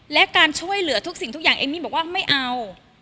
และการช่วยเหลือทุกสิ่งทุกอย่างเอมมี่บอกว่าไม่เอา